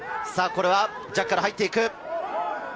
ジャッカル入っていく。